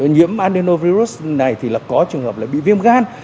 nhiễm adenovirus này thì là có trường hợp là bị viêm gan